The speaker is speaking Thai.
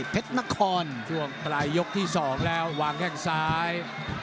ตลายยกที่๒แล้ววางแข่งซ้าย